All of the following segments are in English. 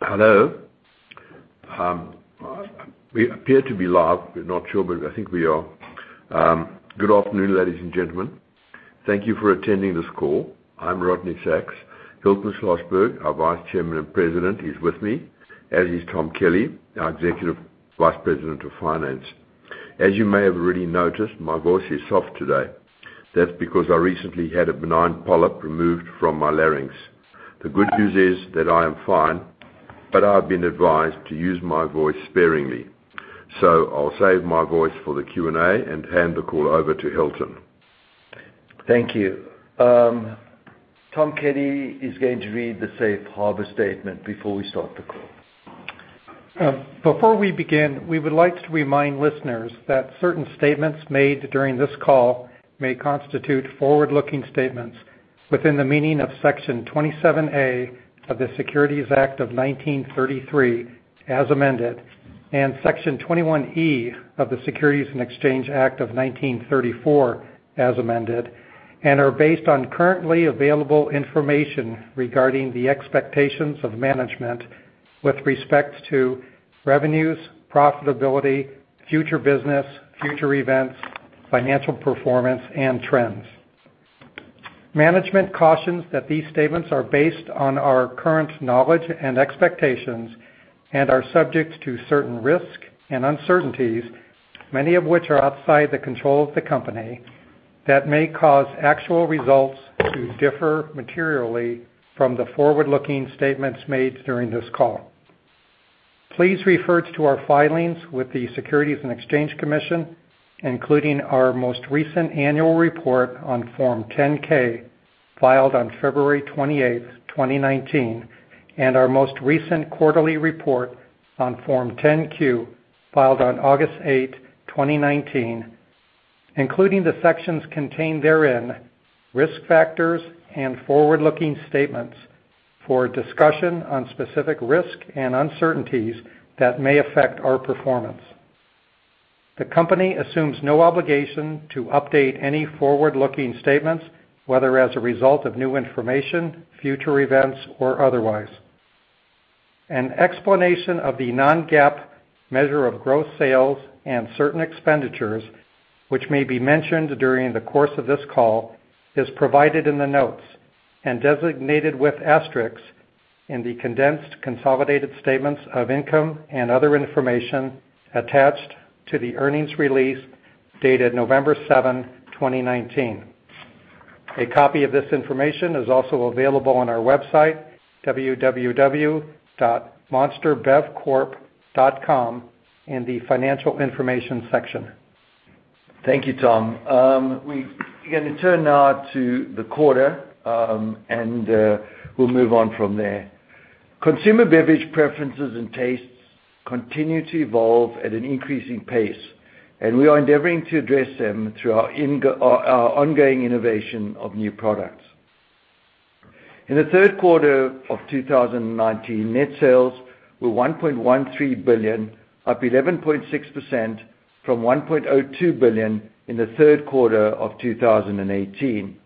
Hello. We appear to be live. We're not sure, but I think we are. Good afternoon, ladies and gentlemen. Thank you for attending this call. I'm Rodney Sacks. Hilton Schlosberg, our Vice Chairman and President, is with me, as is Tom Kelly, our Executive Vice President of Finance. As you may have already noticed, my voice is soft today. That's because I recently had a benign polyp removed from my larynx. The good news is that I am fine, but I've been advised to use my voice sparingly. I'll save my voice for the Q&A and hand the call over to Hilton. Thank you. Tom Kelly is going to read the safe harbor statement before we start the call. Before we begin, we would like to remind listeners that certain statements made during this call may constitute forward-looking statements within the meaning of Section 27A of the Securities Act of 1933, as amended, and Section 21E of the Securities Exchange Act of 1934, as amended, and are based on currently available information regarding the expectations of management with respect to revenues, profitability, future business, future events, financial performance and trends. Management cautions that these statements are based on our current knowledge and expectations and are subject to certain risks and uncertainties, many of which are outside the control of the company, that may cause actual results to differ materially from the forward-looking statements made during this call. Please refer to our filings with the Securities and Exchange Commission, including our most recent annual report on Form 10-K filed on February 28th, 2019, and our most recent quarterly report on Form 10-Q filed on August 8, 2019, including the sections contained therein, Risk Factors and Forward-Looking Statements for a discussion on specific risks and uncertainties that may affect our performance. The company assumes no obligation to update any forward-looking statements, whether as a result of new information, future events, or otherwise. An explanation of the non-GAAP measure of gross sales and certain expenditures, which may be mentioned during the course of this call, is provided in the notes and designated with asterisks in the Condensed Consolidated Statements of Income and Other Information attached to the Earnings Release dated November 7, 2019. A copy of this information is also available on our website, www.monsterbevcorp.com, in the Financial Information section. Thank you, Tom. We're going to turn now to the quarter, and we'll move on from there. Consumer beverage preferences and tastes continue to evolve at an increasing pace, and we are endeavoring to address them through our ongoing innovation of new products. In the third quarter of 2019, net sales were $1.13 billion, up 11.6% from $1.02 billion in the third quarter of 2018.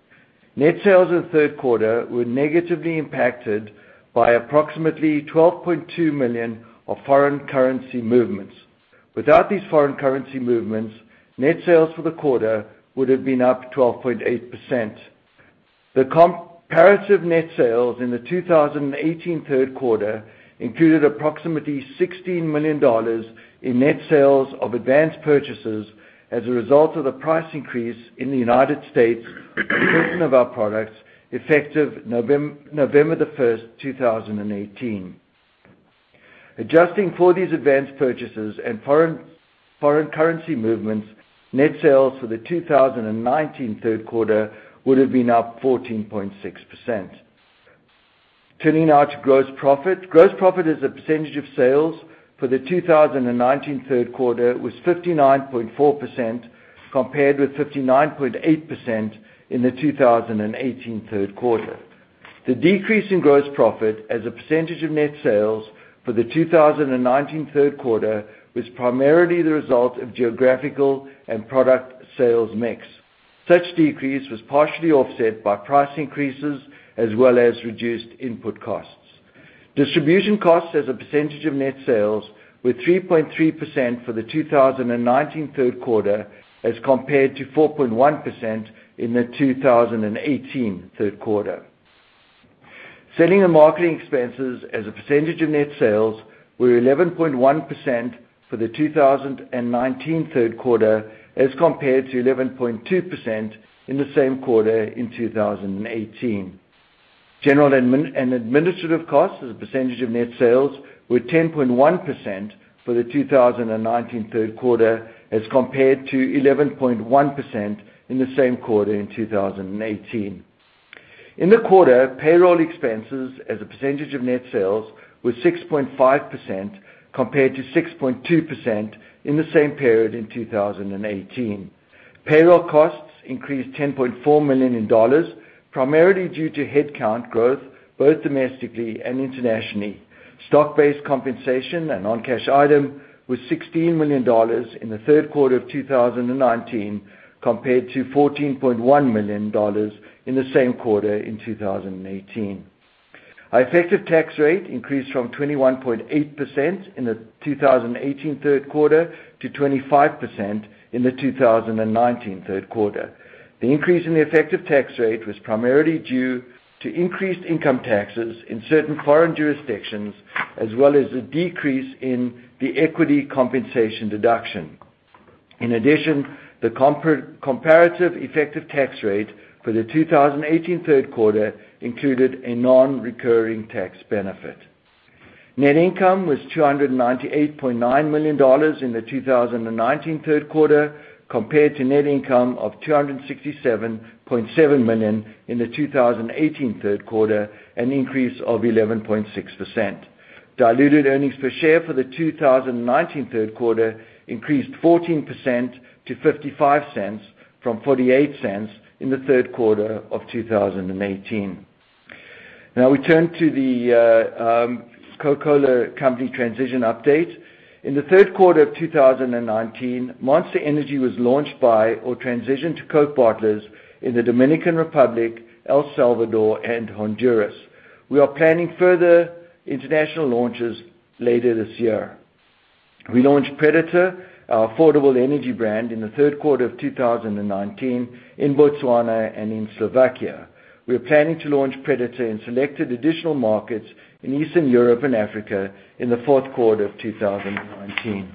Net sales in the third quarter were negatively impacted by approximately $12.2 million of foreign currency movements. Without these foreign currency movements, net sales for the quarter would have been up 12.8%. The comparative net sales in the 2018 third quarter included approximately $16 million in net sales of advanced purchases as a result of the price increase in the United States of certain of our products effective November the 1st, 2018. Adjusting for these advanced purchases and foreign currency movements, net sales for the 2019 third quarter would have been up 14.6%. Turning now to gross profit. Gross profit as a percentage of sales for the 2019 third quarter was 59.4%, compared with 59.8% in the 2018 third quarter. The decrease in gross profit as a percentage of net sales for the 2019 third quarter was primarily the result of geographical and product sales mix. Such decrease was partially offset by price increases as well as reduced input costs. Distribution costs as a percentage of net sales were 3.3% for the 2019 third quarter as compared to 4.1% in the 2018 third quarter. Selling and marketing expenses as a percentage of net sales were 11.1% for the 2019 third quarter as compared to 11.2% in the same quarter in 2018. General and administrative costs as a percentage of net sales were 10.1% for the 2019 third quarter as compared to 11.1% in the same quarter in 2018. In the quarter, payroll expenses as a percentage of net sales was 6.5% compared to 6.2% in the same period in 2018. Payroll costs increased $10.4 million, primarily due to headcount growth both domestically and internationally. Stock-based compensation, a non-cash item, was $16 million in the third quarter of 2019, compared to $14.1 million in the same quarter in 2018. Our effective tax rate increased from 21.8% in the 2018 third quarter to 25% in the 2019 third quarter. The increase in the effective tax rate was primarily due to increased income taxes in certain foreign jurisdictions, as well as the decrease in the equity compensation deduction. In addition, the comparative effective tax rate for the 2018 third quarter included a non-recurring tax benefit. Net income was $298.9 million in the 2019 third quarter, compared to net income of $267.7 million in the 2018 third quarter, an increase of 11.6%. Diluted earnings per share for the 2019 third quarter increased 14% to $0.55 from $0.48 in the third quarter of 2018. We turn to the Coca-Cola Company transition update. In the third quarter of 2019, Monster Energy was launched by or transitioned to Coke partners in the Dominican Republic, El Salvador and Honduras. We are planning further international launches later this year. We launched Predator, our affordable energy brand, in the third quarter of 2019 in Botswana and in Slovakia. We are planning to launch Predator in selected additional markets in Eastern Europe and Africa in the fourth quarter of 2019.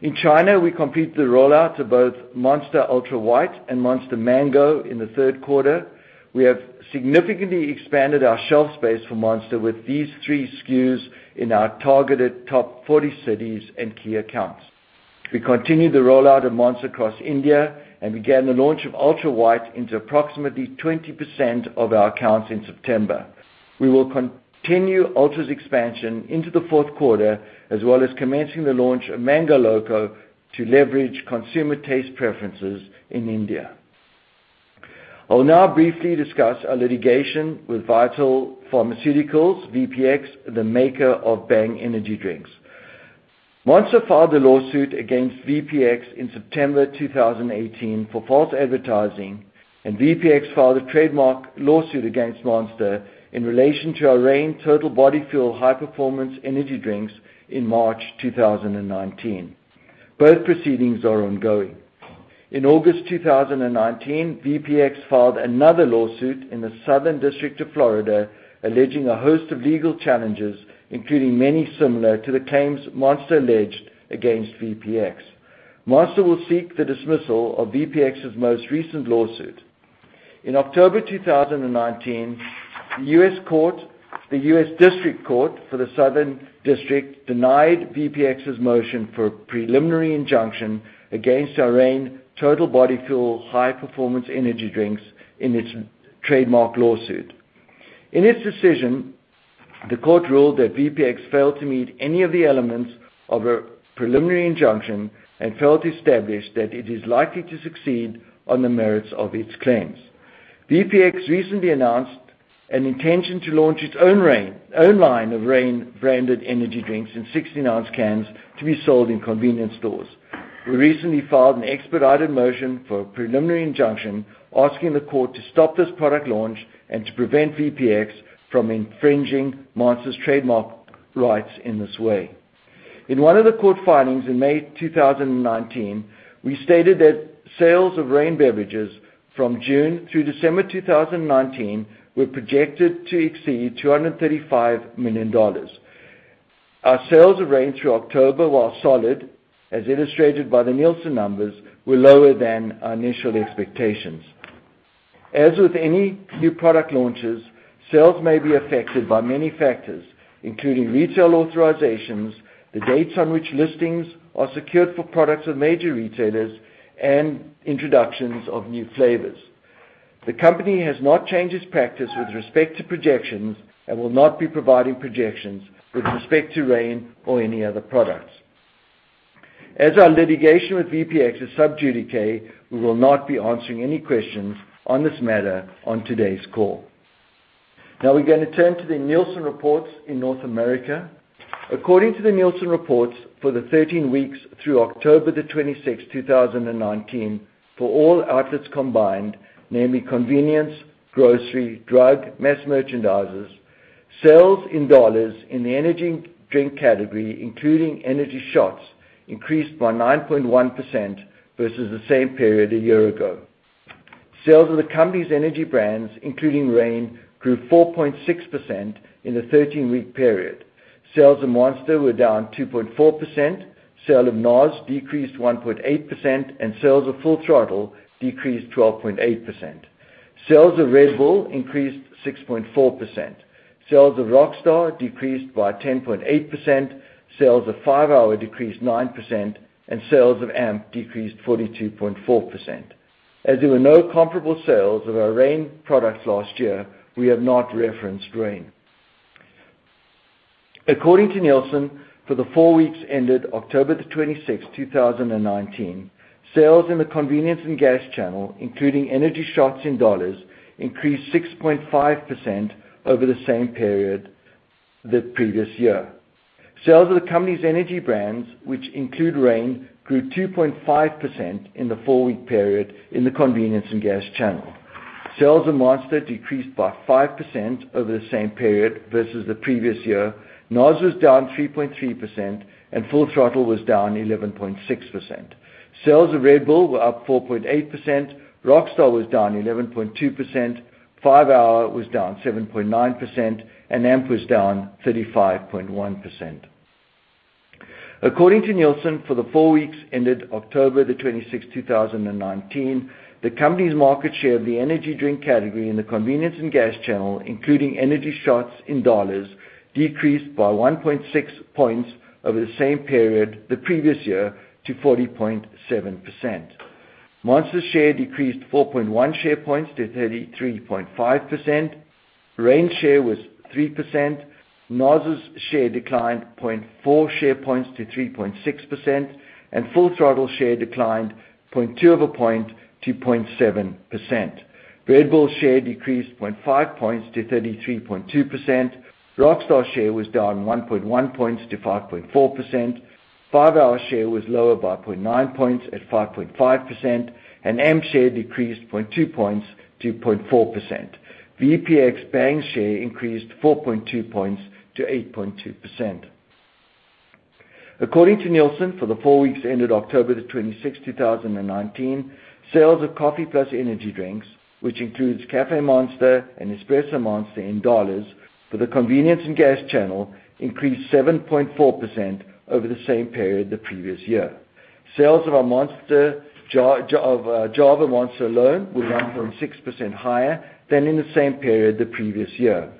In China, we completed the rollout of both Monster Ultra White and Monster Mango in the third quarter. We have significantly expanded our shelf space for Monster with these three SKUs in our targeted top 40 cities and key accounts. We continued the rollout of Monster across India and began the launch of Ultra White into approximately 20% of our accounts in September. We will continue Ultra's expansion into the fourth quarter, as well as commencing the launch of Mango Loco to leverage consumer taste preferences in India. I will now briefly discuss our litigation with Vital Pharmaceuticals, VPX, the maker of Bang energy drinks. Monster filed a lawsuit against VPX in September 2018 for false advertising, and VPX filed a trademark lawsuit against Monster in relation to our Reign Total Body Fuel high-performance energy drinks in March 2019. Both proceedings are ongoing. In August 2019, VPX filed another lawsuit in the Southern District of Florida alleging a host of legal challenges, including many similar to the claims Monster alleged against VPX. Monster will seek the dismissal of VPX's most recent lawsuit. In October 2019, the US District Court for the Southern District denied VPX's motion for a preliminary injunction against our Reign Total Body Fuel high-performance energy drinks in its trademark lawsuit. In its decision, the court ruled that VPX failed to meet any of the elements of a preliminary injunction and failed to establish that it is likely to succeed on the merits of its claims. VPX recently announced an intention to launch its own line of Reign-branded energy drinks in 16-ounce cans to be sold in convenience stores. We recently filed an expedited motion for a preliminary injunction asking the court to stop this product launch and to prevent VPX from infringing Monster's trademark rights in this way. In one of the court filings in May 2019, we stated that sales of Reign beverages from June through December 2019 were projected to exceed $235 million. Our sales of Reign through October, while solid, as illustrated by the Nielsen numbers, were lower than our initial expectations. As with any new product launches, sales may be affected by many factors, including retail authorizations, the dates on which listings are secured for products of major retailers, and introductions of new flavors. The company has not changed its practice with respect to projections and will not be providing projections with respect to Reign or any other products. As our litigation with VPX is sub judice, we will not be answering any questions on this matter on today's call. Now we're going to turn to the Nielsen reports in North America. According to the Nielsen reports for the 13 weeks through October the 26th, 2019, for all outlets combined, namely convenience, grocery, drug, mass merchandisers, sales in US dollars in the energy drink category, including energy shots, increased by 9.1% versus the same period a year ago. Sales of the company's energy brands, including Reign, grew 4.6% in the 13-week period. Sales of Monster were down 2.4%, sale of NOS decreased 1.8%, and sales of Full Throttle decreased 12.8%. Sales of Red Bull increased 6.4%. Sales of Rockstar decreased by 10.8%, sales of 5-Hour decreased 9%, and sales of AMP decreased 42.4%. As there were no comparable sales of our Reign products last year, we have not referenced Reign. According to Nielsen, for the four weeks ended October the 26th, 2019, sales in the convenience and gas channel, including energy shots in dollars, increased 6.5% over the same period the previous year. Sales of the company's energy brands, which include Reign, grew 2.5% in the four-week period in the convenience and gas channel. Sales of Monster decreased by 5% over the same period versus the previous year. NOS was down 3.3%, and Full Throttle was down 11.6%. Sales of Red Bull were up 4.8%. Rockstar was down 11.2%, 5-hour was down 7.9%, and AMP was down 35.1%. According to Nielsen, for the four weeks ended October the 26th, 2019, the company's market share of the energy drink category in the convenience and gas channel, including energy shots in dollars, decreased by 1.6 points over the same period the previous year to 40.7%. Monster's share decreased 4.1 share points to 33.5%. Reign's share was 3%. NOS's share declined 0.4 share points to 3.6%, and Full Throttle share declined 0.2 of a point to 0.7%. Red Bull's share decreased 0.5 points to 33.2%. Rockstar's share was down 1.1 points to 5.4%. 5-hour's share was lower by 0.9 points at 5.5%, and AMP share decreased 0.2 points to 0.4%. VPX Bang share increased 4.2 points to 8.2%. According to Nielsen, for the four weeks ended October 26th, 2019, sales of coffee plus energy drinks, which includes Caffé Monster and Espresso Monster in dollars for the convenience and gas channel, increased 7.4% over the same period the previous year. Sales of Java Monster alone were 1.6% higher than in the same period the previous year.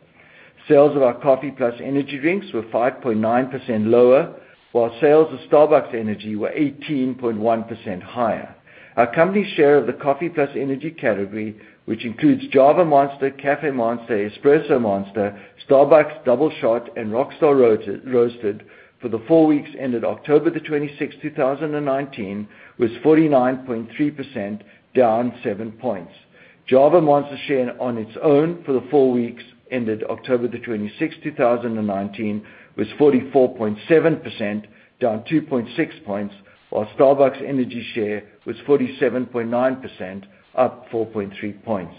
Sales of our coffee plus energy drinks were 5.9% lower, while sales of Starbucks Energy were 18.1% higher. Our company's share of the coffee plus energy category, which includes Java Monster, Caffé Monster, Espresso Monster, Starbucks Doubleshot, and Rockstar Roasted for the four weeks ended October the 26th, 2019, was 49.3%, down seven points. Java Monster's share on its own for the four weeks ended October the 26th, 2019, was 44.7%, down 2.6 points, while Starbucks Energy share was 47.9%, up 4.3 points.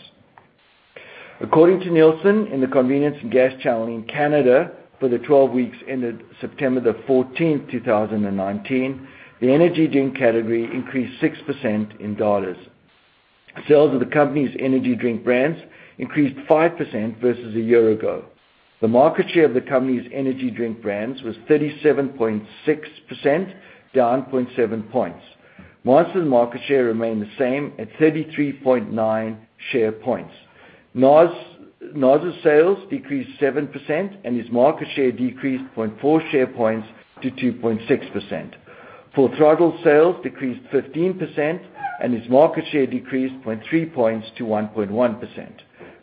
According to Nielsen, in the convenience and gas channel in Canada for the 12 weeks ended September the 14th, 2019, the energy drink category increased 6% in dollars. Sales of the company's energy drink brands increased 5% versus a year ago. The market share of the company's energy drink brands was 37.6%, down 0.7 points. Monster's market share remained the same at 33.9 share points. NOS's sales decreased 7%, and its market share decreased 0.4 share points to 2.6%. Full Throttle sales decreased 15%, and its market share decreased 0.3 points to 1.1%.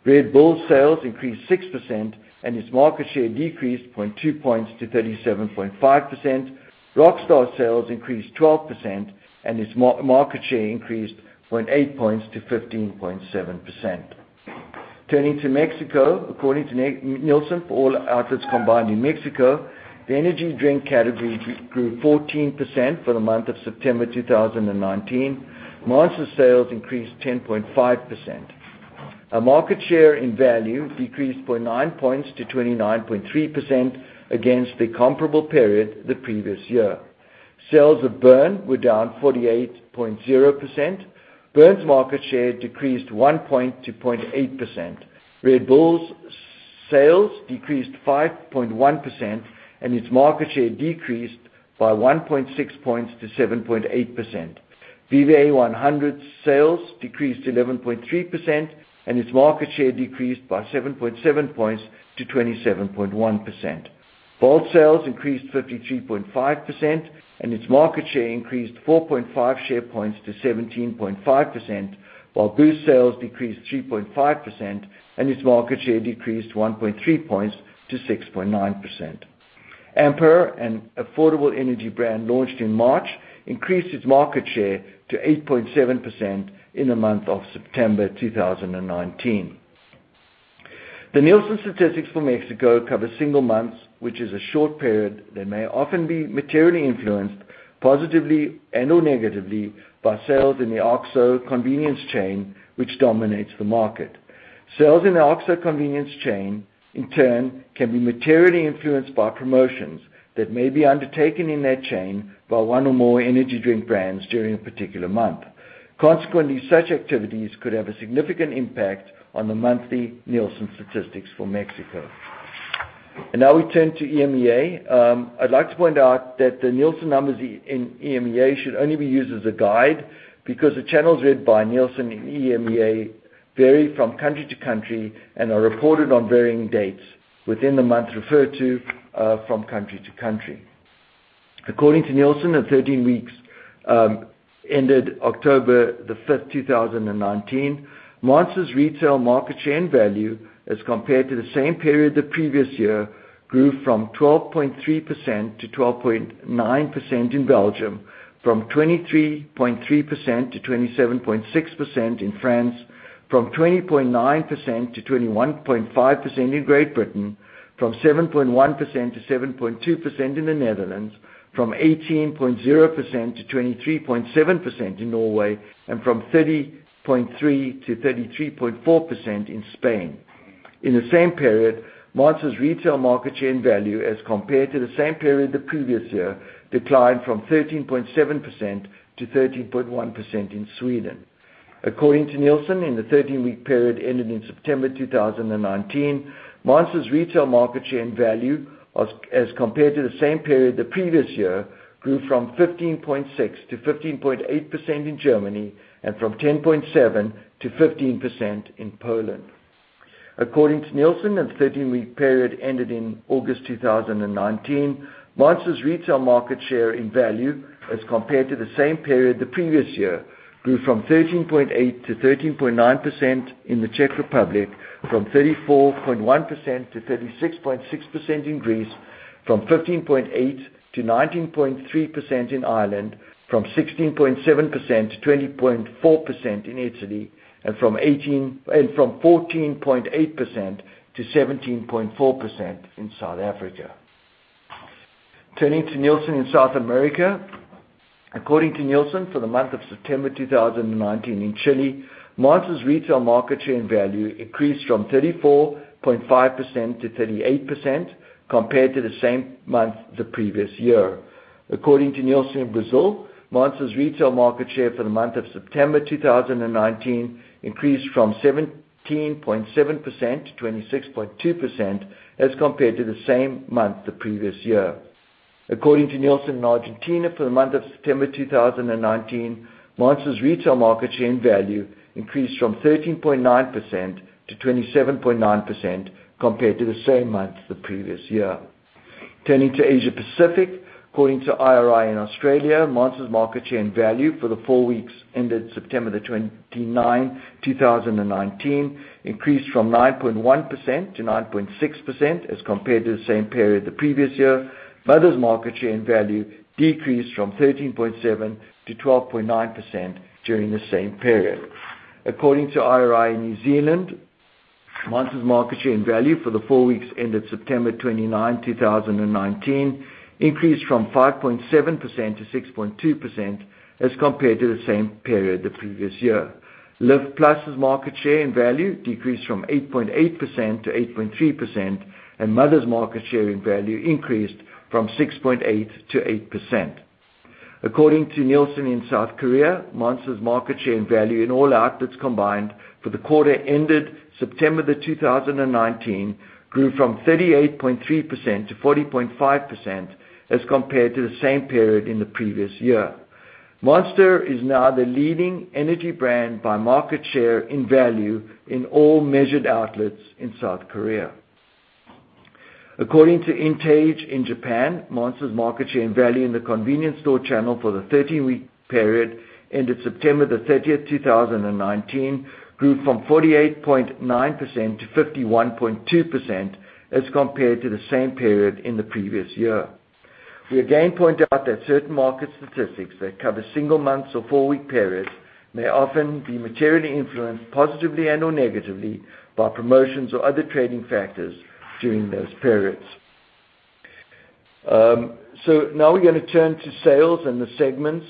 Red Bull sales increased 6%, and its market share decreased 0.2 points to 37.5%. Rockstar sales increased 12%, and its market share increased 0.8 points to 15.7%. Turning to Mexico, according to Nielsen, for all outlets combined in Mexico, the energy drink category grew 14% for the month of September 2019. Monster sales increased 10.5%. Our market share in value decreased by 9 points to 29.3% against the comparable period the previous year. Sales of Burn were down 48.0%. Burn's market share decreased 1 point to 0.8%. Red Bull's sales decreased 5.1%, and its market share decreased by 1.6 points to 7.8%. VIVE 100 sales decreased 11.3%, and its market share decreased by 7.7 points to 27.1%. Volt sales increased 53.5%, and its market share increased 4.5 share points to 17.5%, while Boost sales decreased 3.5%, and its market share decreased 1.3 points to 6.9%. AMPER, an affordable energy brand launched in March, increased its market share to 8.7% in the month of September 2019. The Nielsen statistics for Mexico cover single months, which is a short period that may often be materially influenced positively and/or negatively by sales in the OXXO convenience chain, which dominates the market. Sales in the OXXO convenience chain, in turn, can be materially influenced by promotions that may be undertaken in that chain by one or more energy drink brands during a particular month. Consequently, such activities could have a significant impact on the monthly Nielsen statistics for Mexico. Now we turn to EMEA. I'd like to point out that the Nielsen numbers in EMEA should only be used as a guide because the channels read by Nielsen in EMEA vary from country to country and are reported on varying dates within the month referred to from country to country. According to Nielsen, the 13 weeks ended October the 5th, 2019, Monster's retail market share and value as compared to the same period the previous year grew from 12.3%-12.9% in Belgium, from 23.3%-27.6% in France, from 20.9%-21.5% in Great Britain, from 7.1%-7.2% in the Netherlands, from 18.0%-23.7% in Norway, and from 30.3%-33.4% in Spain. In the same period, Monster's retail market share and value as compared to the same period the previous year declined from 13.7%-13.1% in Sweden. According to Nielsen, in the 13-week period ending in September 2019, Monster's retail market share and value as compared to the same period the previous year grew from 15.6% to 15.8% in Germany and from 10.7% to 15% in Poland. According to Nielsen, in the 13-week period ended in August 2019, Monster's retail market share in value as compared to the same period the previous year grew from 13.8% to 13.9% in the Czech Republic, from 34.1% to 36.6% in Greece, from 15.8% to 19.3% in Ireland, from 16.7% to 20.4% in Italy, and from 14.8% to 17.4% in South Africa. Turning to Nielsen in South America. According to Nielsen, for the month of September 2019 in Chile, Monster's retail market share and value increased from 34.5% to 38% compared to the same month the previous year. According to Nielsen in Brazil, Monster's retail market share for the month of September 2019 increased from 17.7% to 26.2% as compared to the same month the previous year. According to Nielsen in Argentina, for the month of September 2019, Monster's retail market share and value increased from 13.9% to 27.9% compared to the same month the previous year. Turning to Asia Pacific, according to IRI in Australia, Monster's market share and value for the four weeks ended September the 29th, 2019 increased from 9.1% to 9.6% as compared to the same period the previous year. Mother's market share and value decreased from 13.7% to 12.9% during the same period. According to IRI in New Zealand, Monster's market share and value for the four weeks ended September 29, 2019 increased from 5.7% to 6.2% as compared to the same period the previous year. Lift Plus market share and value decreased from 8.8%-8.3%, and Mother's market share and value increased from 6.8%-8%. According to Nielsen in South Korea, Monster's market share and value in all outlets combined for the quarter ended September 2019 grew from 38.3%-40.5% as compared to the same period in the previous year. Monster is now the leading energy brand by market share in value in all measured outlets in South Korea. According to Intage in Japan, Monster's market share and value in the convenience store channel for the 13-week period ended September 30, 2019 grew from 48.9%-51.2% as compared to the same period in the previous year. We again point out that certain market statistics that cover single months or four-week periods may often be materially influenced positively and/or negatively by promotions or other trading factors during those periods. Now we're going to turn to sales and the segments.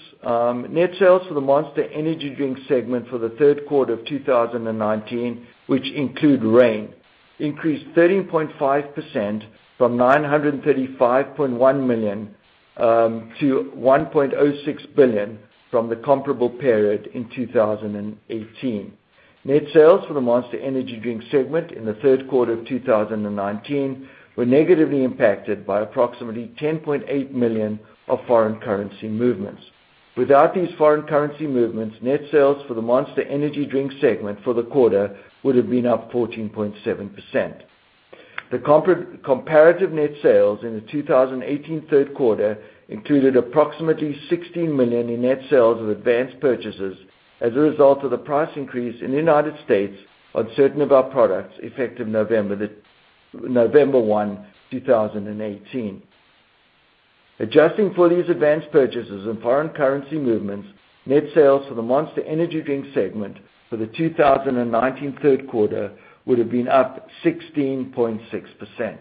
Net sales for the Monster Energy Drinks segment for the third quarter of 2019, which include Reign, increased 13.5% from $935.1 million to $1.06 billion from the comparable period in 2018. Net sales for the Monster Energy Drinks segment in the third quarter of 2019 were negatively impacted by approximately $10.8 million of foreign currency movements. Without these foreign currency movements, net sales for the Monster Energy Drinks segment for the quarter would have been up 14.7%. The comparative net sales in the 2018 third quarter included approximately $16 million in net sales of advanced purchases as a result of the price increase in the U.S. on certain of our products effective November 1, 2018. Adjusting for these advanced purchases and foreign currency movements, net sales for the Monster Energy Drinks segment for the 2019 third quarter would have been up 16.6%.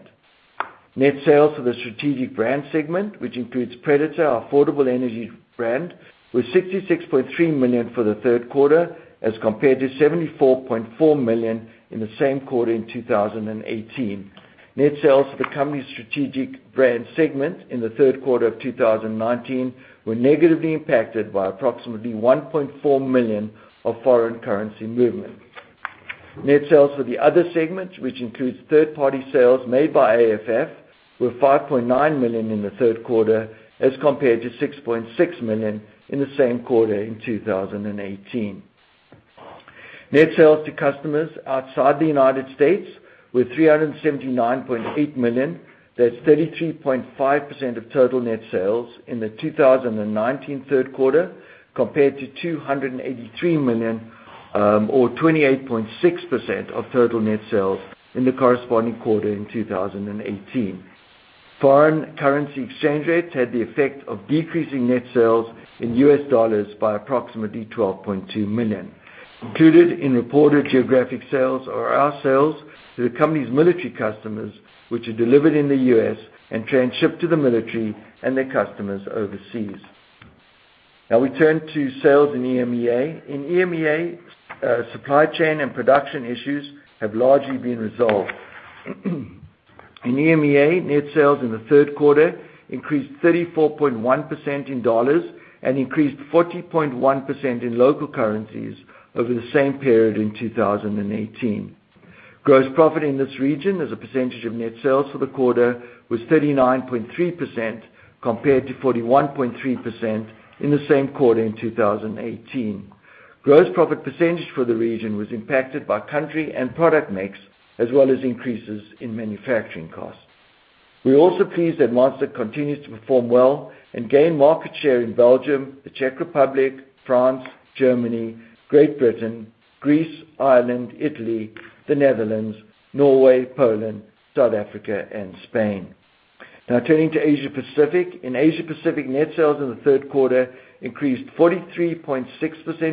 Net sales for the Strategic Brands segment, which includes Predator, our affordable energy brand, was $66.3 million for the third quarter as compared to $74.4 million in the same quarter in 2018. Net sales for the company's Strategic Brands segment in the third quarter of 2019 were negatively impacted by approximately $1.4 million of foreign currency movement. Net sales for the Other segment, which includes third-party sales made by AFF, were $5.9 million in the third quarter as compared to $6.6 million in the same quarter in 2018. Net sales to customers outside the U.S. were $379.8 million. That's 33.5% of total net sales in the 2019 third quarter, compared to $283 million or 28.6% of total net sales in the corresponding quarter in 2018. Foreign currency exchange rates had the effect of decreasing net sales in U.S. dollars by approximately $12.2 million. Included in reported geographic sales are our sales to the company's military customers, which are delivered in the U.S. and transshipped to the military and their customers overseas. We turn to sales in EMEA. In EMEA, supply chain and production issues have largely been resolved. In EMEA, net sales in the third quarter increased 34.1% in U.S. dollars and increased 40.1% in local currencies over the same period in 2018. Gross profit in this region as a percentage of net sales for the quarter was 39.3% compared to 41.3% in the same quarter in 2018. Gross profit percentage for the region was impacted by country and product mix, as well as increases in manufacturing costs. We're also pleased that Monster continues to perform well and gain market share in Belgium, the Czech Republic, France, Germany, Great Britain, Greece, Ireland, Italy, the Netherlands, Norway, Poland, South Africa, and Spain. Turning to Asia-Pacific. In Asia-Pacific, net sales in the third quarter increased 43.6%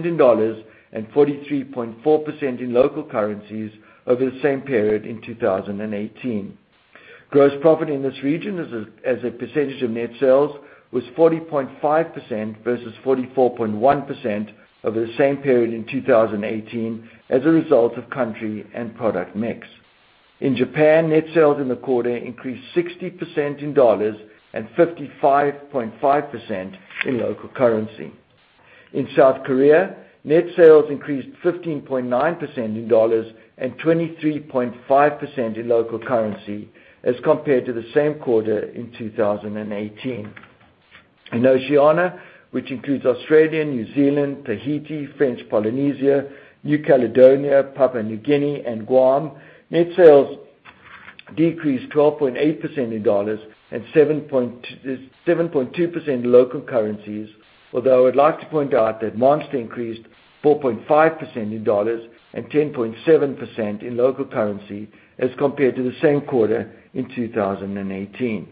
in $ and 43.4% in local currencies over the same period in 2018. Gross profit in this region as a percentage of net sales was 40.5% versus 44.1% over the same period in 2018 as a result of country and product mix. In Japan, net sales in the quarter increased 60% in $ and 55.5% in local currency. In South Korea, net sales increased 15.9% in $ and 23.5% in local currency as compared to the same quarter in 2018. In Oceania, which includes Australia, New Zealand, Tahiti, French Polynesia, New Caledonia, Papua New Guinea, and Guam, net sales decreased 12.8% in $ and 7.2% in local currencies. I would like to point out that Monster increased 4.5% in $ and 10.7% in local currency as compared to the same quarter in 2018.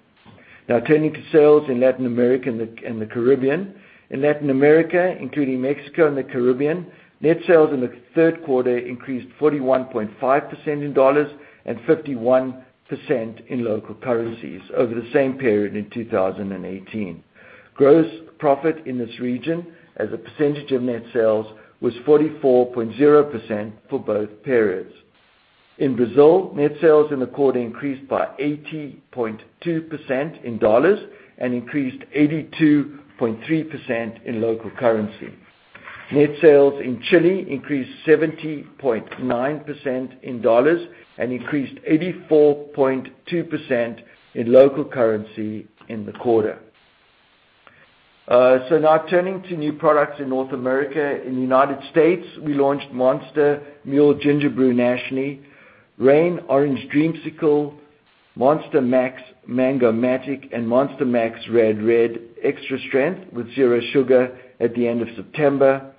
Turning to sales in Latin America and the Caribbean. In Latin America, including Mexico and the Caribbean, net sales in the third quarter increased 41.5% in $ and 51% in local currencies over the same period in 2018. Gross profit in this region as a percentage of net sales was 44.0% for both periods. In Brazil, net sales in the quarter increased by 80.2% in $ and increased 82.3% in local currency. Net sales in Chile increased 70.9% in $ and increased 84.2% in local currency in the quarter. Turning to new products in North America. In the United States, we launched Monster Mule Ginger Brew nationally, Reign Orange Dreamsicle, Monster Maxx Mango Matic, and Monster Maxx Rad Red Extra Strength with zero sugar at the end of September.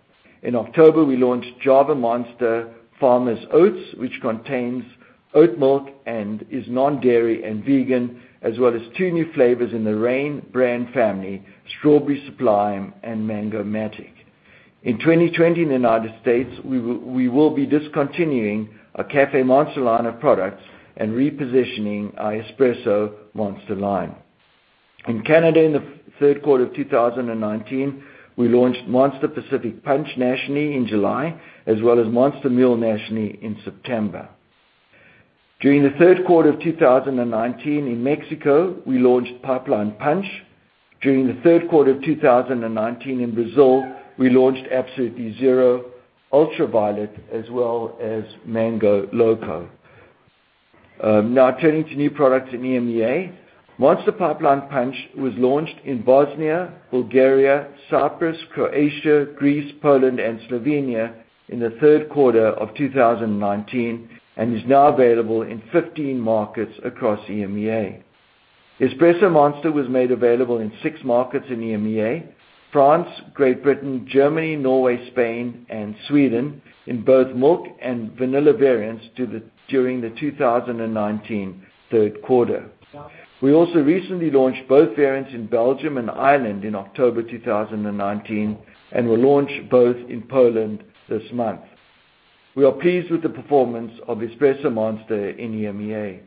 In October, we launched Java Monster Farmer's Oats, which contains oat milk and is non-dairy and vegan, as well as two new flavors in the Reign brand family: Strawberry Sublime and Mango Matic. In 2020, in the United States, we will be discontinuing our Caffé Monster line of products and repositioning our Espresso Monster line. In Canada in the third quarter of 2019, we launched Monster Pacific Punch nationally in July, as well as Monster Mule nationally in September. During the third quarter of 2019 in Mexico, we launched Pipeline Punch. During the third quarter of 2019 in Brazil, we launched Monster Energy Ultra Violet as well as Monster Mango Loco. Turning to new products in EMEA. Monster Pipeline Punch was launched in Bosnia, Bulgaria, Cyprus, Croatia, Greece, Poland, and Slovenia in the third quarter of 2019 and is now available in 15 markets across EMEA. Espresso Monster was made available in six markets in EMEA: France, Great Britain, Germany, Norway, Spain, and Sweden in both milk and vanilla variants during the 2019 third quarter. We also recently launched both variants in Belgium and Ireland in October 2019 and will launch both in Poland this month. We are pleased with the performance of Espresso Monster in EMEA.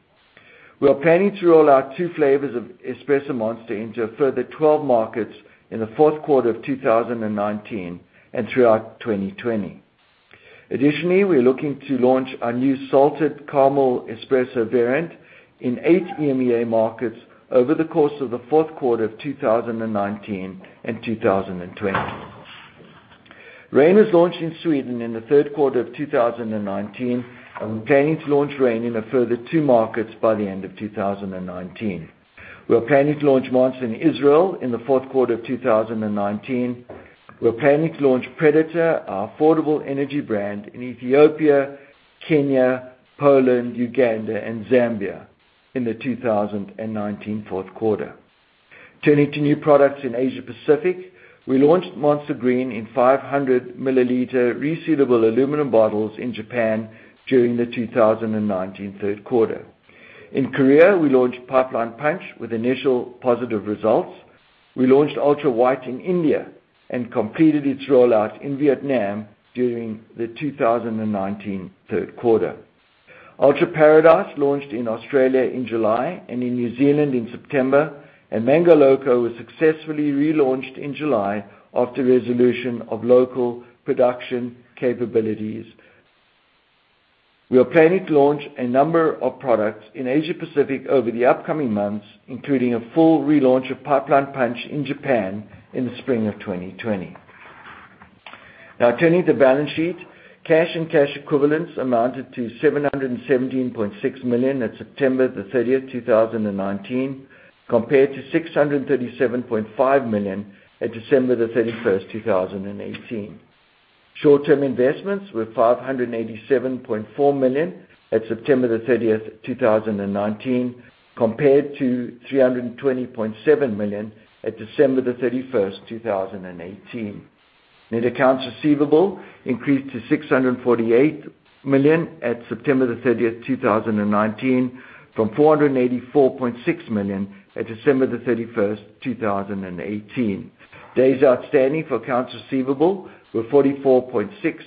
We are planning to roll out two flavors of Espresso Monster into a further 12 markets in the fourth quarter of 2019 and throughout 2020. Additionally, we're looking to launch our new salted caramel espresso variant in eight EMEA markets over the course of the fourth quarter of 2019 and 2020. Reign was launched in Sweden in the third quarter of 2019, and we're planning to launch Reign in a further two markets by the end of 2019. We are planning to launch Monster in Israel in the fourth quarter of 2019. We're planning to launch Predator, our affordable energy brand, in Ethiopia, Kenya, Poland, Uganda, and Zambia in the 2019 fourth quarter. Turning to new products in Asia Pacific, we launched Monster Green in 500 milliliter resealable aluminum bottles in Japan during the 2019 third quarter. In Korea, we launched Pipeline Punch with initial positive results. We launched Ultra White in India and completed its rollout in Vietnam during the 2019 third quarter. Ultra Paradise launched in Australia in July and in New Zealand in September. Mango Loco was successfully relaunched in July after resolution of local production capabilities. We are planning to launch a number of products in Asia Pacific over the upcoming months, including a full relaunch of Pipeline Punch in Japan in the spring of 2020. Now turning to the balance sheet. Cash and cash equivalents amounted to $717.6 million at September 30th, 2019, compared to $637.5 million at December 31st, 2018. Short-term investments were $587.4 million at September 30th, 2019, compared to $320.7 million at December 31st, 2018. Net accounts receivable increased to $648 million at September 30th, 2019, from $484.6 million at December 31st, 2018. Days outstanding for accounts receivable were 44.6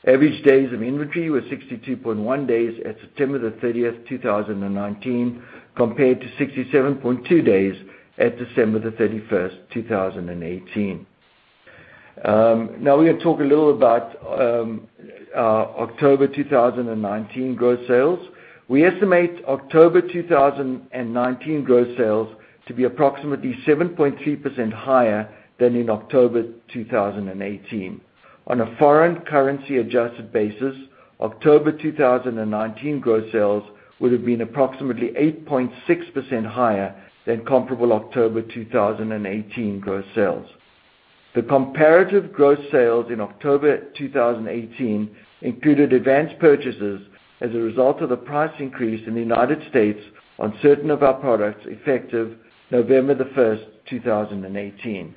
days at September 30th, 2019, compared to 41.4 days at December 31st, 2018. Inventories increased to $317.7 million at September 30th, 2019, from $277.7 million at December 31st, 2018. Average days of inventory were 62.1 days at September 30th, 2019, compared to 67.2 days at December 31st, 2018. Now we're going to talk a little about October 2019 gross sales. We estimate October 2019 gross sales to be approximately 7.3% higher than in October 2018. On a foreign currency adjusted basis, October 2019 gross sales would have been approximately 8.6% higher than comparable October 2018 gross sales. The comparative gross sales in October 2018 included advanced purchases as a result of the price increase in the U.S. on certain of our products effective November 1st, 2018.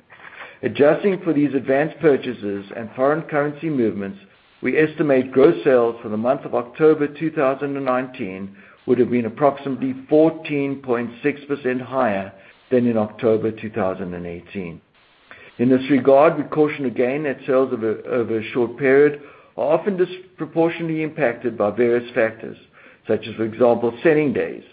Adjusting for these advanced purchases and foreign currency movements, we estimate gross sales for the month of October 2019 would have been approximately 14.6% higher than in October 2018. In this regard, we caution again that sales over a short period are often disproportionately impacted by various factors, such as, for example, selling days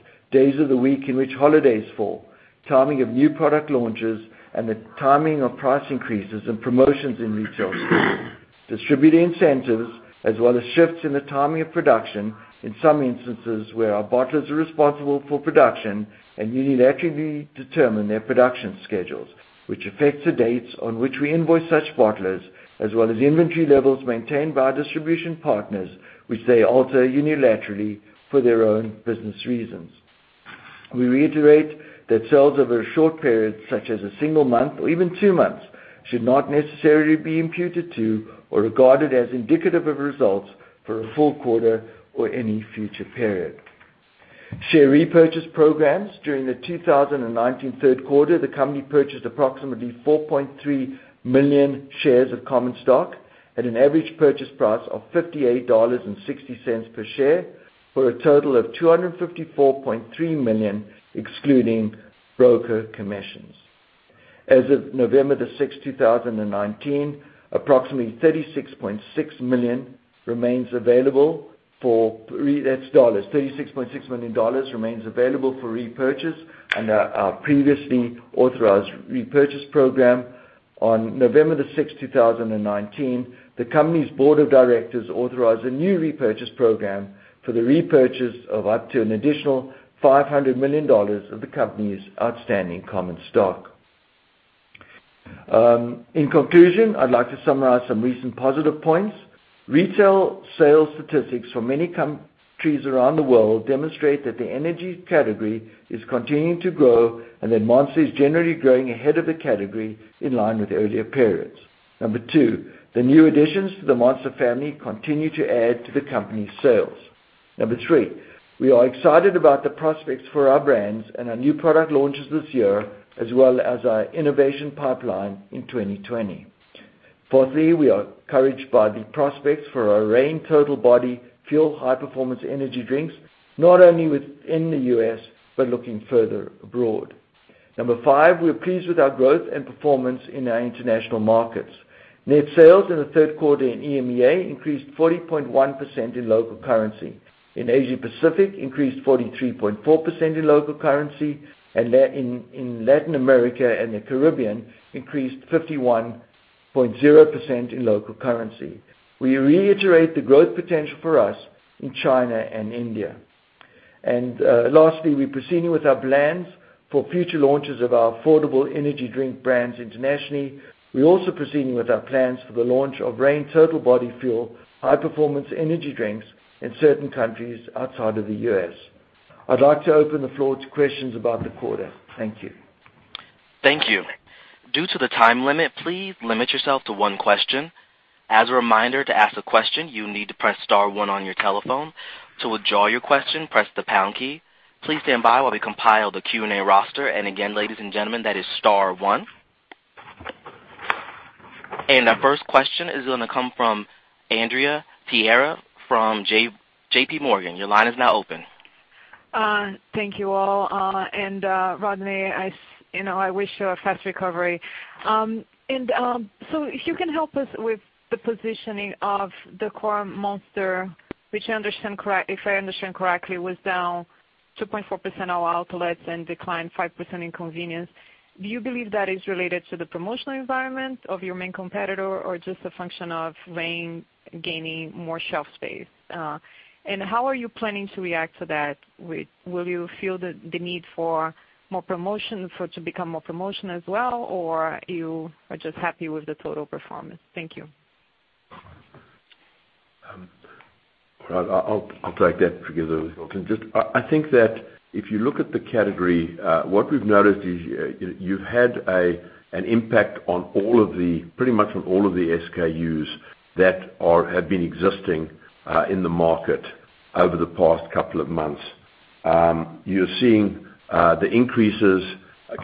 of the week in which holidays fall, timing of new product launches, and the timing of price increases and promotions in retail stores, distributing incentives as well as shifts in the timing of production in some instances where our bottlers are responsible for production and unilaterally determine their production schedules, which affects the dates on which we invoice such bottlers, as well as inventory levels maintained by our distribution partners, which they alter unilaterally for their own business reasons. We reiterate that sales over a short period, such as a single month or even two months, should not necessarily be imputed to or regarded as indicative of results for a full quarter or any future period. Share repurchase programs. During the 2019 third quarter, the company purchased approximately 4.3 million shares of common stock at an average purchase price of $58.60 per share for a total of $254.3 million, excluding broker commissions. As of November 6th, 2019, approximately $36.6 million remains available for repurchase under our previously authorized repurchase program. On November 6th, 2019, the company's board of directors authorized a new repurchase program for the repurchase of up to an additional $500 million of the company's outstanding common stock. In conclusion, I'd like to summarize some recent positive points. Retail sales statistics for many countries around the world demonstrate that the energy category is continuing to grow and that Monster is generally growing ahead of the category in line with earlier periods. Number two, the new additions to the Monster family continue to add to the company's sales. Number three, we are excited about the prospects for our brands and our new product launches this year, as well as our innovation pipeline in 2020. Fourthly, we are encouraged by the prospects for our Reign Total Body Fuel high-performance energy drinks, not only within the U.S., but looking further abroad. Number five, we are pleased with our growth and performance in our international markets. Net sales in the third quarter in EMEA increased 40.1% in local currency. In Asia Pacific increased 43.4% in local currency. In Latin America and the Caribbean increased 51.0% in local currency. We reiterate the growth potential for us in China and India. Lastly, we're proceeding with our plans for future launches of our affordable energy drink brands internationally. We're also proceeding with our plans for the launch of Reign Total Body Fuel high-performance energy drinks in certain countries outside of the U.S. I'd like to open the floor to questions about the quarter. Thank you. Thank you. Due to the time limit, please limit yourself to one question. As a reminder, to ask a question, you need to press star one on your telephone. To withdraw your question, press the pound key. Please stand by while we compile the Q&A roster. Again, ladies and gentlemen, that is star one. Our first question is going to come from Andrea Teixeira from JP Morgan. Your line is now open. Thank you all. Rodney, I wish you a fast recovery. If you can help us with the positioning of the core Monster, if I understand correctly, was down 2.4% in all outlets and declined 5% in convenience. Do you believe that is related to the promotional environment of your main competitor, or just a function of Reign gaining more shelf space? How are you planning to react to that? Will you feel the need for more promotion, for it to become more promotion as well? You are just happy with the total performance? Thank you. I'll take that. I think that if you look at the category, what we've noticed is you've had an impact pretty much on all of the SKUs that have been existing in the market over the past couple of months. You're seeing the increases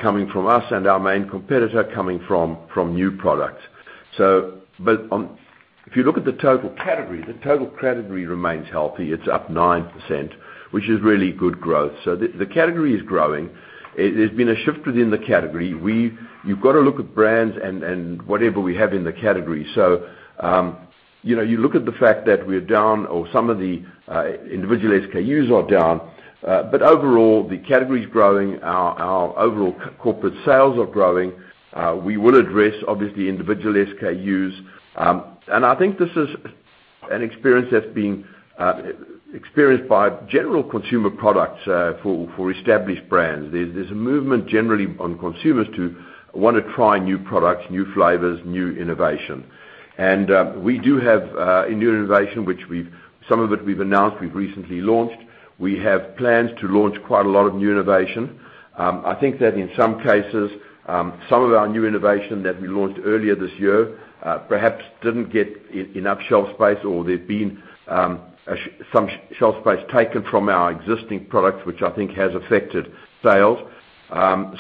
coming from us and our main competitor coming from new products. If you look at the total category, the total category remains healthy. It's up 9%, which is really good growth. The category is growing. There's been a shift within the category. You've got to look at brands and whatever we have in the category. You look at the fact that we're down or some of the individual SKUs are down. Overall, the category is growing. Our overall corporate sales are growing. We will address, obviously, individual SKUs. I think this is an experience that's being experienced by general consumer products for established brands. There's a movement generally on consumers to want to try new products, new flavors, new innovation. We do have a new innovation, which some of it we've announced, we've recently launched. We have plans to launch quite a lot of new innovation. I think that in some cases, some of our new innovation that we launched earlier this year perhaps didn't get enough shelf space, or there have been some shelf space taken from our existing products, which I think has affected sales. One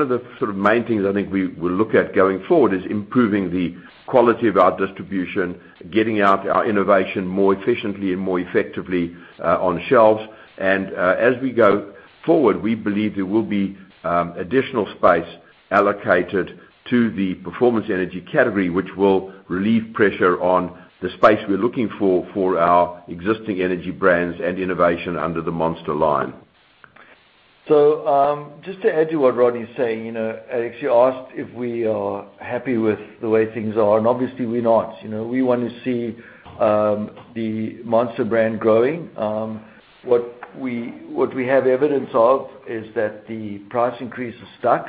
of the sort of main things I think we'll look at going forward is improving the quality of our distribution, getting out our innovation more efficiently and more effectively on shelves. As we go forward, we believe there will be additional space allocated to the performance energy category, which will relieve pressure on the space we're looking for our existing energy brands and innovation under the Monster line. Just to add to what Rodney's saying, as you asked if we are happy with the way things are, and obviously we're not. We want to see the Monster brand growing. What we have evidence of is that the price increase has stuck.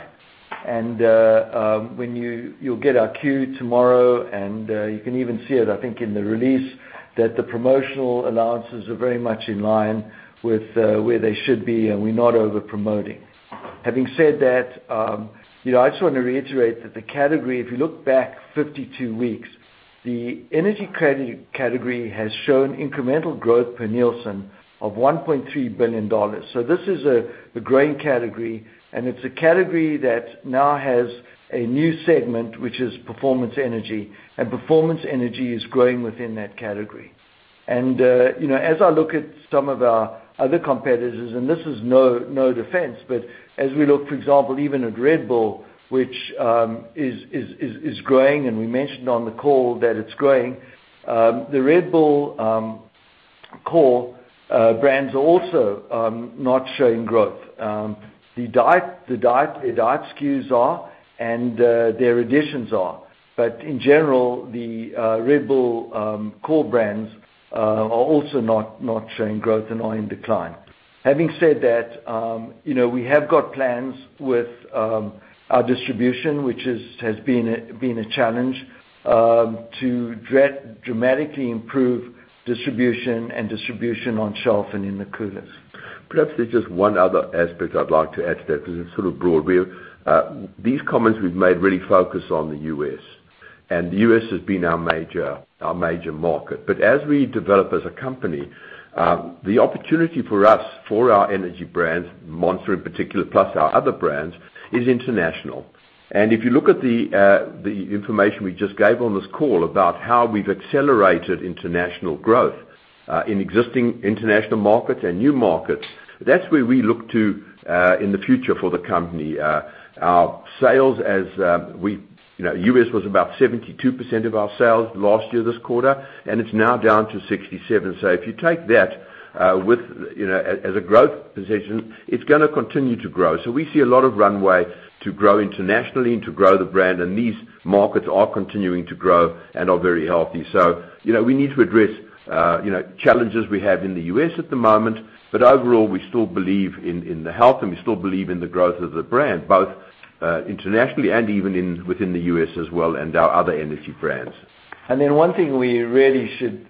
When you'll get our Form 10-Q tomorrow, and you can even see it, I think, in the release, that the promotional allowances are very much in line with where they should be, and we're not over-promoting. Having said that, I just want to reiterate that the category, if you look back 52 weeks, the energy category has shown incremental growth per Nielsen of $1.3 billion. This is a growing category, and it's a category that now has a new segment, which is performance energy, and performance energy is growing within that category. As I look at some of our other competitors, and this is no defense, but as we look, for example, even at Red Bull, which is growing, and we mentioned on the call that it's growing. The Red Bull core brands are also not showing growth. Their diet SKUs are, and their additions are. In general, the Red Bull core brands are also not showing growth and are in decline. Having said that, we have got plans with our distribution, which has been a challenge, to dramatically improve distribution and distribution on shelf and in the coolers. Perhaps there's just one other aspect I'd like to add to that because it's sort of broad. These comments we've made really focus on the U.S. The U.S. has been our major market. As we develop as a company, the opportunity for us, for our energy brands, Monster in particular, plus our other brands, is international. If you look at the information we just gave on this call about how we've accelerated international growth in existing international markets and new markets, that's where we look to in the future for the company. U.S. was about 72% of our sales last year, this quarter, and it's now down to 67%. If you take that as a growth position, it's going to continue to grow. We see a lot of runway to grow internationally and to grow the brand. These markets are continuing to grow and are very healthy. We need to address challenges we have in the U.S. at the moment. Overall, we still believe in the health, and we still believe in the growth of the brand, both internationally and even within the U.S. as well, and our other energy brands. One thing we really should,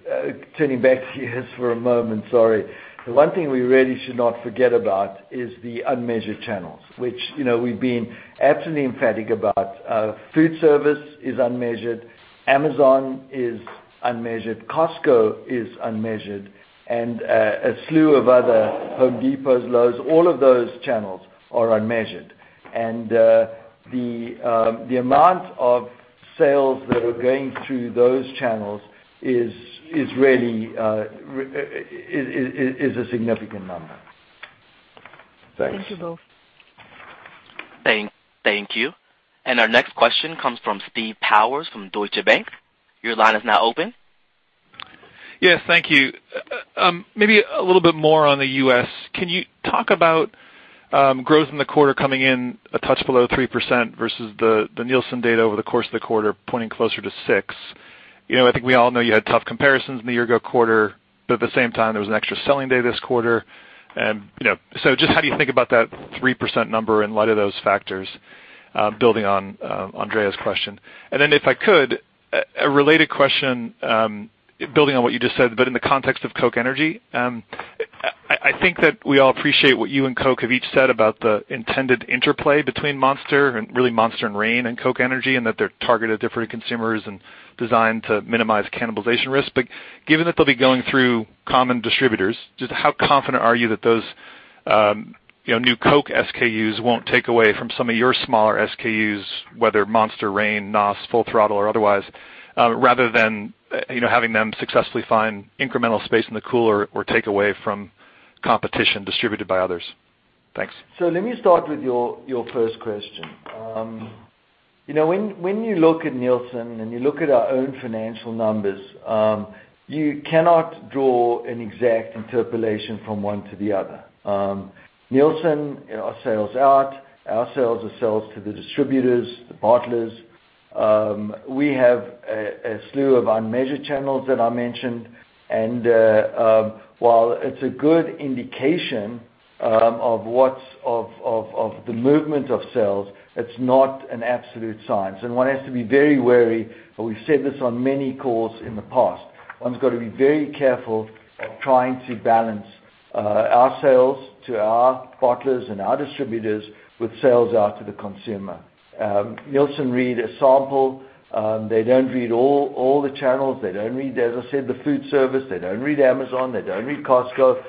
turning back to you, Rodney for a moment, sorry. The one thing we really should not forget about is the unmeasured channels, which we've been absolutely emphatic about. Food service is unmeasured, Amazon is unmeasured, Costco is unmeasured, and a slew of other Home Depots, Lowe's, all of those channels are unmeasured. The amount of sales that are going through those channels is a significant number. Thanks. Thank you both. Thank you. Our next question comes from Steve Powers from Deutsche Bank. Your line is now open. Yes, thank you. A little bit more on the U.S. Can you talk about growth in the quarter coming in a touch below 3% versus the Nielsen data over the course of the quarter pointing closer to 6%? I think we all know you had tough comparisons in the year-ago quarter, at the same time, there was an extra selling day this quarter. Just how do you think about that 3% number in light of those factors, building on Andrea's question? If I could, a related question, building on what you just said, in the context of Coke Energy. I think that we all appreciate what you and Coke have each said about the intended interplay between Monster and really Monster and Reign and Coke Energy, that they're targeted at different consumers and designed to minimize cannibalization risk. Given that they'll be going through common distributors, just how confident are you that those new Coke SKUs won't take away from some of your smaller SKUs, whether Monster, Reign, NOS, Full Throttle or otherwise, rather than having them successfully find incremental space in the cooler or take away from competition distributed by others? Thanks. Let me start with your first question. When you look at Nielsen and you look at our own financial numbers, you cannot draw an exact interpolation from one to the other. Nielsen are sales out. Our sales are sales to the distributors, the bottlers. We have a slew of unmeasured channels that I mentioned. While it's a good indication of the movement of sales, it's not an absolute science. One has to be very wary, and we've said this on many calls in the past. One's got to be very careful of trying to balance our sales to our bottlers and our distributors with sales out to the consumer. Nielsen read a sample. They don't read all the channels. They don't read, as I said, the food service. They don't read Amazon. They don't read Costco.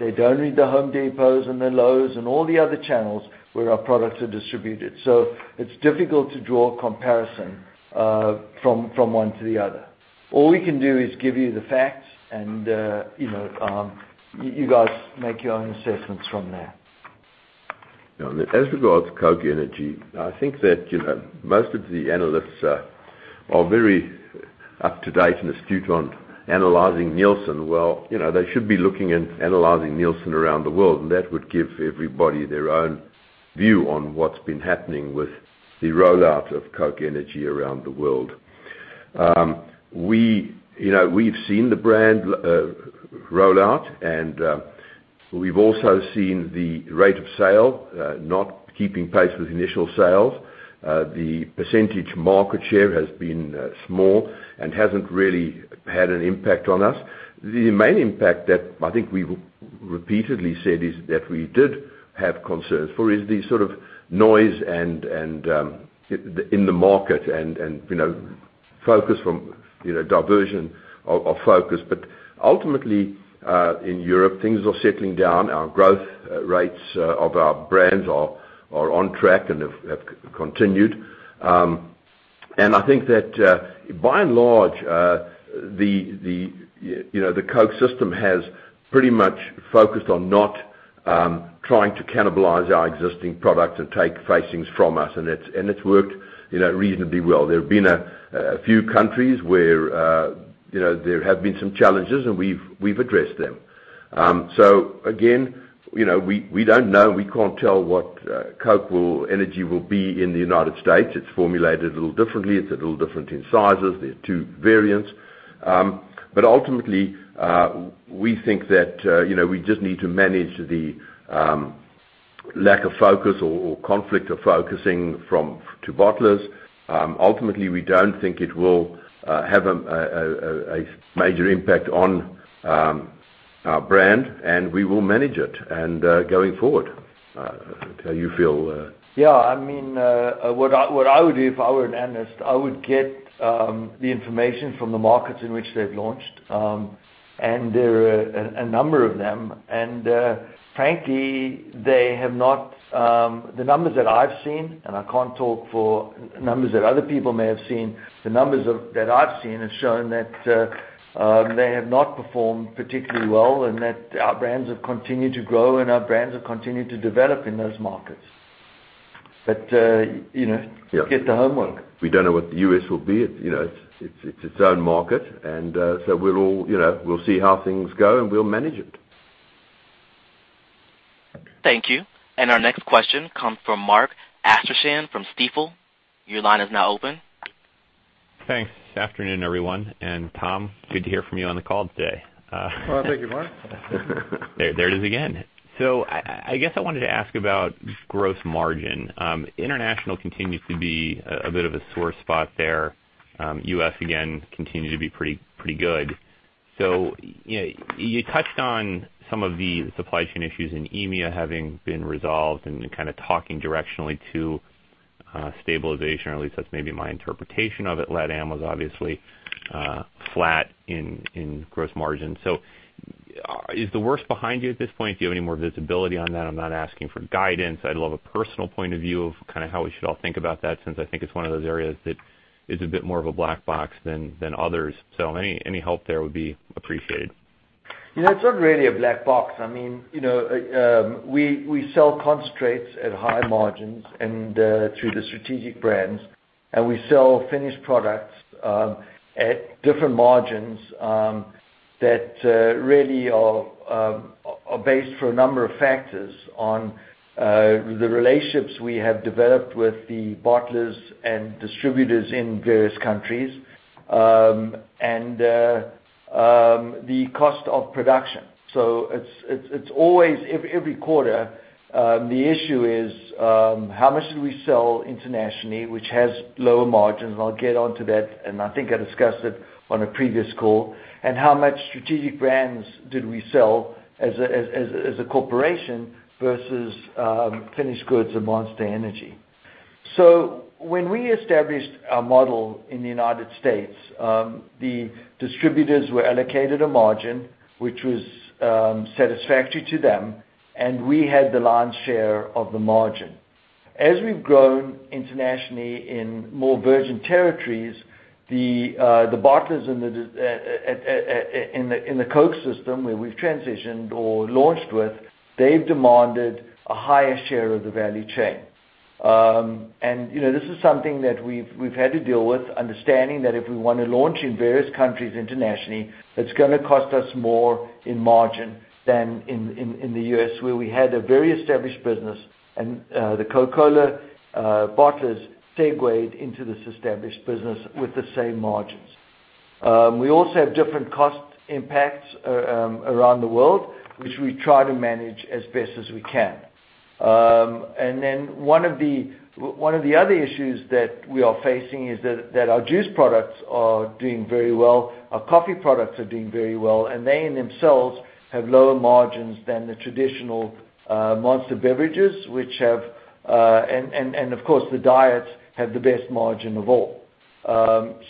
They don't read the Home Depots and the Lowe's and all the other channels where our products are distributed. It's difficult to draw a comparison from one to the other. All we can do is give you the facts and you guys make your own assessments from there. As regards Coke Energy, I think that most of the analysts are very up to date and astute on analyzing Nielsen. They should be looking and analyzing Nielsen around the world, and that would give everybody their own view on what's been happening with the rollout of Coke Energy around the world. We've seen the brand rollout, and we've also seen the rate of sale not keeping pace with initial sales. The percentage market share has been small and hasn't really had an impact on us. The main impact that I think we've repeatedly said is that we did have concerns for is the sort of noise in the market and diversion of focus. Ultimately, in Europe, things are settling down. Our growth rates of our brands are on track and have continued. I think that by and large, the Coke system has pretty much focused on not trying to cannibalize our existing products and take facings from us, and it's worked reasonably well. There have been a few countries where there have been some challenges, and we've addressed them. Again, we don't know and we can't tell what Coke Energy will be in the United States. It's formulated a little differently. It's a little different in sizes. There are two variants. Ultimately, we think that we just need to manage the lack of focus or conflict of focusing to bottlers. Ultimately, we don't think it will have a major impact on our brand, and we will manage it and going forward. How you feel? Yeah, what I would do if I were an analyst, I would get the information from the markets in which they've launched, and there are a number of them. Frankly, the numbers that I've seen, and I can't talk for numbers that other people may have seen, the numbers that I've seen have shown that they have not performed particularly well and that our brands have continued to grow and our brands have continued to develop in those markets. Get the homework. We don't know what the U.S. will be. It's its own market and so we'll see how things go, and we'll manage it. Thank you. Our next question comes from Mark Astrachan from Stifel. Your line is now open. Thanks. Afternoon, everyone. Tom, good to hear from you on the call today. Well, thank you, Mark. There it is again. I guess I wanted to ask about gross margin. International continues to be a bit of a sore spot there. U.S., again, continue to be pretty good. You touched on some of the supply chain issues in EMEA having been resolved and talking directionally to stabilization, or at least that's maybe my interpretation of it. LATAM was obviously flat in gross margin. Is the worst behind you at this point? Do you have any more visibility on that? I'm not asking for guidance. I'd love a personal point of view of how we should all think about that since I think it's one of those areas that is a bit more of a black box than others. Any help there would be appreciated. It's not really a black box. We sell concentrates at high margins and through the strategic brands, and we sell finished products at different margins that really are based for a number of factors on the relationships we have developed with the bottlers and distributors in various countries, and the cost of production. Every quarter, the issue is how much did we sell internationally, which has lower margins, and I'll get onto that, and I think I discussed it on a previous call. How much strategic brands did we sell as a corporation versus finished goods of Monster Energy. When we established our model in the United States, the distributors were allocated a margin, which was satisfactory to them, and we had the lion's share of the margin. As we've grown internationally in more virgin territories, the bottlers in the Coke system where we've transitioned or launched with, they've demanded a higher share of the value chain. This is something that we've had to deal with, understanding that if we want to launch in various countries internationally, it's going to cost us more in margin than in the U.S., where we had a very established business and the Coca-Cola bottlers segued into this established business with the same margins. We also have different cost impacts around the world, which we try to manage as best as we can. One of the other issues that we are facing is that our juice products are doing very well, our coffee products are doing very well, and they in themselves have lower margins than the traditional Monster beverages, and of course, the diets have the best margin of all. You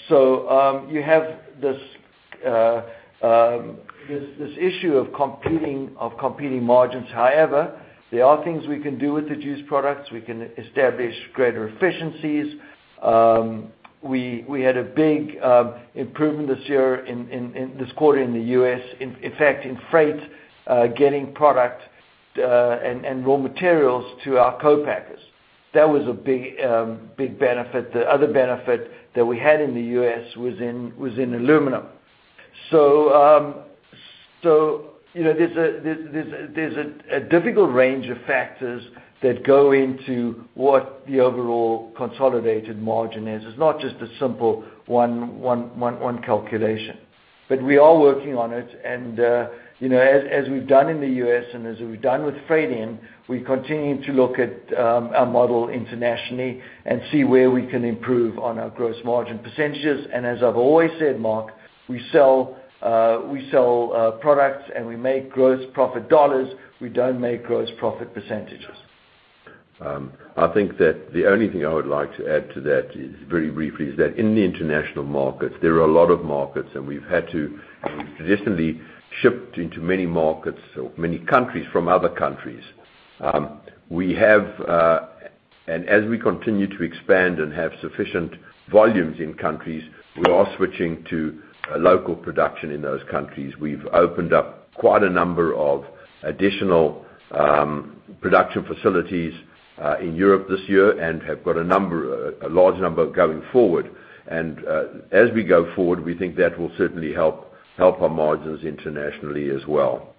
have this issue of competing margins. However, there are things we can do with the juice products. We can establish greater efficiencies. We had a big improvement this year, in this quarter in the U.S., in fact, in freight, getting product, and raw materials to our co-packers. That was a big benefit. The other benefit that we had in the U.S. was in aluminum. There's a difficult range of factors that go into what the overall consolidated margin is. It's not just a simple one calculation. We are working on it and, as we've done in the U.S. and as we've done with freight in, we continue to look at our model internationally and see where we can improve on our gross margin percentages. As I've always said, Mark, we sell products and we make gross profit dollars. We don't make gross profit percentages. I think that the only thing I would like to add to that is, very briefly, is that in the international markets, there are a lot of markets, and we've traditionally shipped into many markets or many countries from other countries. As we continue to expand and have sufficient volumes in countries, we are switching to a local production in those countries. We've opened up quite a number of additional production facilities in Europe this year and have got a large number going forward. As we go forward, we think that will certainly help our margins internationally as well.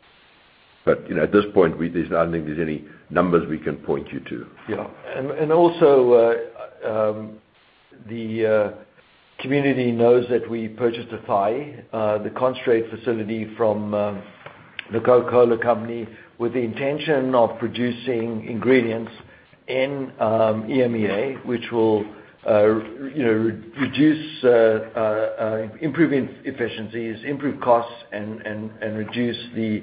At this point, I don't think there's any numbers we can point you to. Yeah. Also, the community knows that we purchased Athy, the concentrate facility from the Coca-Cola Company, with the intention of producing ingredients in EMEA, which will improve efficiencies, improve costs, and reduce the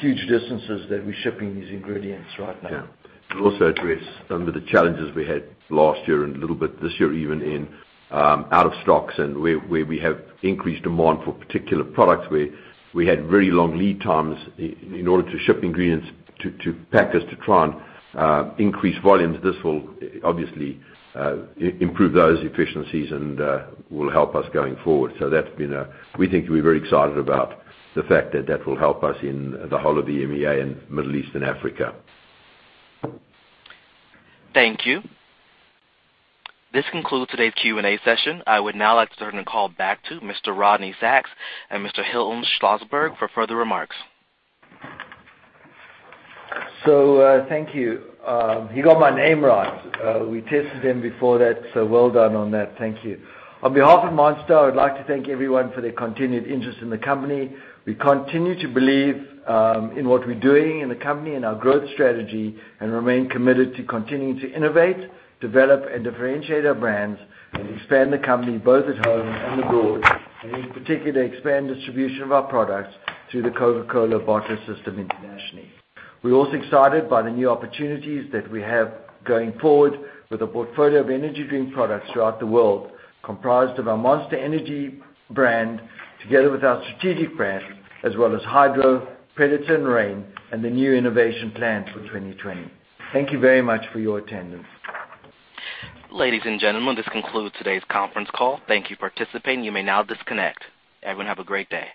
huge distances that we're shipping these ingredients right now. It'll also address some of the challenges we had last year and a little bit this year, even in out of stocks and where we have increased demand for particular products where we had very long lead times in order to ship ingredients to packers to try and increase volumes. This will obviously improve those efficiencies and will help us going forward. We think we're very excited about the fact that that will help us in the whole of the EMEA and Middle East and Africa. Thank you. This concludes today's Q&A session. I would now like to turn the call back to Mr. Rodney Sacks and Mr. Hilton Schlosberg for further remarks. Thank you. He got my name right. We tested him before that, well done on that. Thank you. On behalf of Monster, I'd like to thank everyone for their continued interest in the company. We continue to believe in what we're doing in the company and our growth strategy and remain committed to continuing to innovate, develop, and differentiate our brands and expand the company both at home and abroad. In particular, to expand distribution of our products through the Coca-Cola bottler system internationally. We're also excited by the new opportunities that we have going forward with a portfolio of energy drink products throughout the world, comprised of our Monster Energy brand together with our Strategic Brands, as well as Hydro, Predator, and Reign, and the new innovation plan for 2020. Thank you very much for your attendance. Ladies and gentlemen, this concludes today's conference call. Thank you for participating. You may now disconnect. Everyone, have a great day.